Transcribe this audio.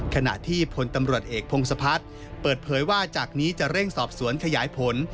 ขณะที่พลตำรวจเอกพงศพัฒน์เปิดเผยว่าจากนี้จะเร่งสอบสวนขยายผล